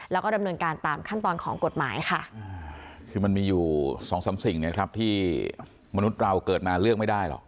แล้วก็ดำเนินการตามขั้นตอนของกฎหมายค่ะคือมันมีอยู่สองสามสิ่งนะครับที่มนุษย์เราเกิดมาเลือกไม่ได้หรอก